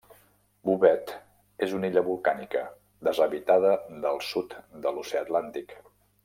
Bouvet és una illa volcànica deshabitada del sud de l'Oceà Atlàntic.